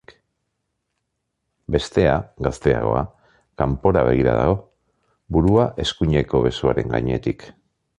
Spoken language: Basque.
Bestea, gazteagoa, kanpora begira dago, burua eskuineko besoaren gainetik.